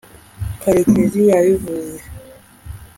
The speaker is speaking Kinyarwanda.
karekezi yabivuze